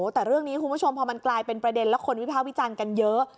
แต่เรื่องนี้คุณผู้ชมพอมันกลายเป็นประเด็นแล้วคนวิภาควิจารณ์กันเยอะ